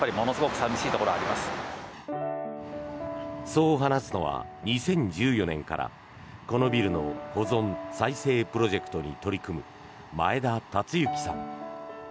そう話すのは２０１４年から、このビルの保存・再生プロジェクトに取り組む前田達之さん。